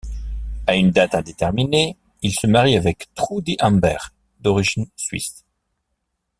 À une date indéterminée, il se marie avec Trudy Amberg, d’origine suisse.